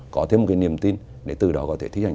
có thêm một cái niềm tin để từ đó có thể thi hành